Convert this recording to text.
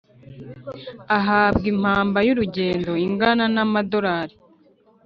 Ahabwa impamba y urugendo ingana n amadorari